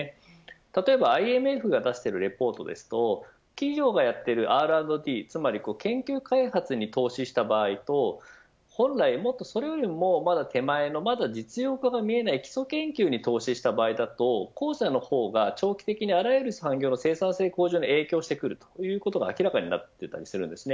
例えば、ＩＭＦが出しているレポートですと企業がやっているＲ＆Ｄつまり研究開発に投資した場合とそれよりも手前の実用化が見えない基礎研究に投資した場合だと後者の方が長期的にあらゆる産業の生産性向上に影響してくることが明らかになっていたりするんです。